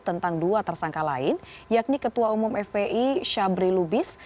tentang dua tersangka lain yakni ketua umum fpi syabri lubis